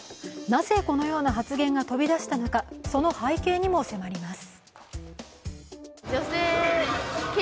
なぜ、このような発言が飛び出したのか、その背景にも迫ります。